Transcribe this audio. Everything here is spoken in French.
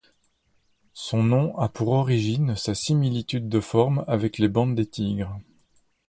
Son nom a pour origine sa similitude de forme avec les bandes des tigres.